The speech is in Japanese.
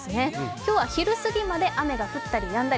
今日は昼過ぎまで雨が降ったりやんだり。